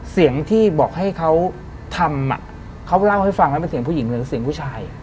เสียงที่บอกให้เขาทำเขาเล่าให้ฟังไหมมันเสียงผู้หญิงหรือเสียงผู้ชาย